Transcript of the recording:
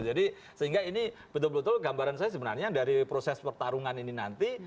jadi sehingga ini betul betul gambaran saya sebenarnya dari proses pertarungan ini nanti